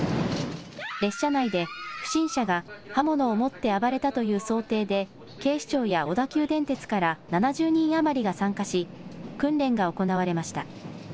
列車内で不審者が刃物を持って暴れたという想定で、警視庁や小田急電鉄から７０人余りが参加し、訓練が行われました。